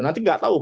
nanti nggak tahu